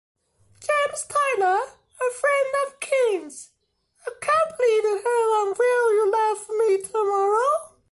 James Taylor, a friend of King's, accompanied her on Will You Love Me Tomorrow?